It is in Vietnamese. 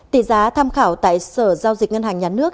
tỷ giá tham khảo tại sở giao dịch ngân hàng nhà nước